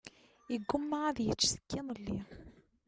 Iguma ad yečč seg iḍelli.